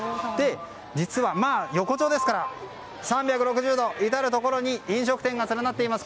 実は横町ですから３６０度、至るところに飲食店が連なっています。